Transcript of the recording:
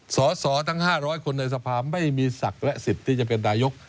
สอสอทั้ง๕๐๐คนในสภาไม่มีศักดิ์และสิทธิ์ที่จะเป็นนายก